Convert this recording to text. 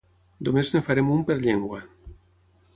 Només en farem un per llengua.